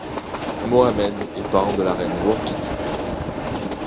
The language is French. Mohammed est parent de la reine Worqitu.